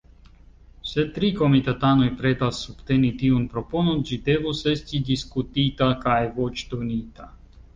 Se tri komitatanoj pretas subteni tiun proponon, ĝi devus esti diskutita kaj voĉdonita.